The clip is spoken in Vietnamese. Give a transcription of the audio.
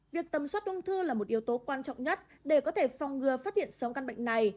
việc tầm soát ung thư là một yếu tố quan trọng nhất để có thể phòng ngừa phát hiện sớm căn bệnh này